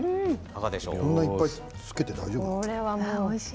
こんなにいっぱいつけて大丈夫なの？